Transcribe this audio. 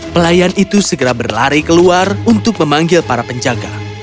pelayan itu segera berlari keluar untuk memanggil para penjaga